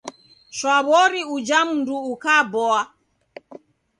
Shwawori uja mndu ukaboa